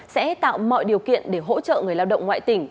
sẽ tạo mọi điều kiện để hỗ trợ người lao động ngoại tỉnh